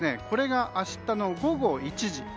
これが明日の午後１時。